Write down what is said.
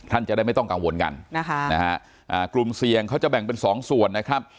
จะได้ไม่ต้องกังวลกันนะคะกลุ่มเสี่ยงเขาจะแบ่งเป็นสองส่วนนะครับ